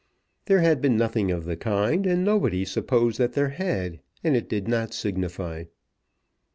There had been nothing of the kind, and nobody supposed that there had, and it did not signify.